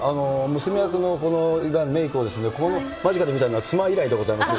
娘役のいわゆるメークを間近で見たのは妻以来でございます。